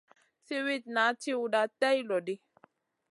Siwitna tchiwda tay lo ɗi.